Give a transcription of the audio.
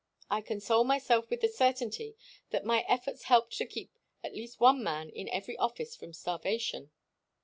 I console myself with the certainty that my efforts help to keep at least one man in every office from starvation.